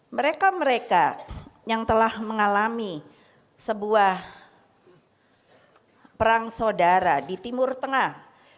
mereka mereka yang telah mengalami sebuah perang saudara di timur tengah